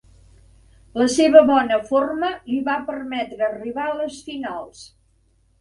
La seva bona forma li va permetre arribar a les finals.